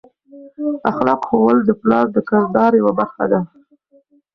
اخلاق ښوول د پلار د کردار یوه برخه ده.